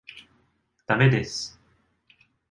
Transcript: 駄目です。